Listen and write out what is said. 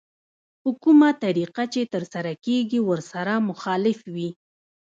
په کومه طريقه چې ترسره کېږي ورسره مخالف وي.